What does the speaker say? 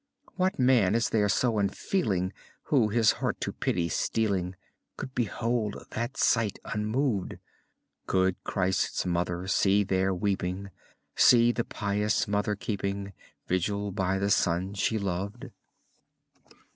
What man is there so unfeeling. Who, his heart to pity steeling. Could behold that sight unmoved? Could Christ's Mother see there weeping, See the pious Mother keeping Vigil by the Son she loved?